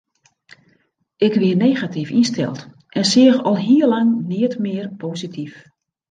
Ik wie negatyf ynsteld en seach al hiel lang neat mear posityf.